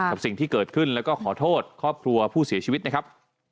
กับสิ่งที่เกิดขึ้นแล้วก็ขอโทษครอบครัวผู้เสียชีวิตนะครับ